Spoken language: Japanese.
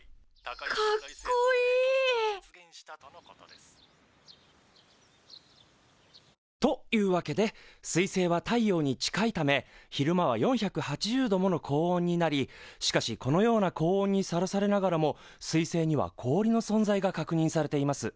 かっこいい！というわけで水星は太陽に近いため昼間は４８０度もの高温になりしかしこのような高温にさらされながらも水星には氷の存在が確認されています。